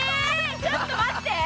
ちょっと待って！